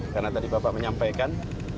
karena tadi bapak menyampaikan